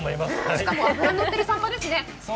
しかも脂がのってるさんまですね。